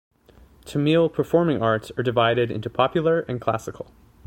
Tamil performing arts are divided into popular and classical.